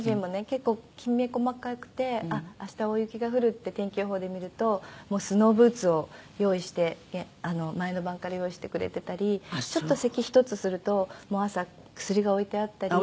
結構きめ細かくて明日大雪が降るって天気予報で見るともうスノーブーツを用意して前の晩から用意してくれてたりちょっとせき１つするともう朝薬が置いてあったり。